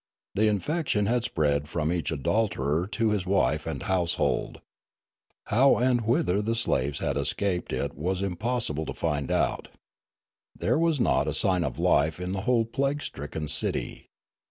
The infection had spread from each adulterer to his wife and household. How and whither the slaves had escaped it was impossible to find out. There was not Noola 415 a sign of life in the whole plague stricken city.